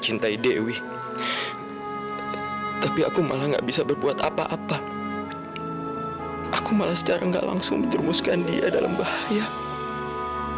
kenapa ya meskipun aku sudah berusaha mati matian